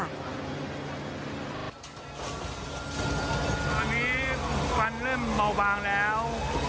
ตอนนี้ควันเริ่มเบาบางแล้ว